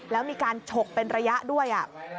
แล้วมีการฉกเป็นระยะด้วย